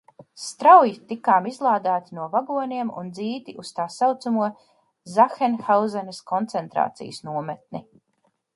Strauji tikām izlādēti no vagoniem un dzīti uz tā saucamo Sachenhausenas koncentrācijas nometni.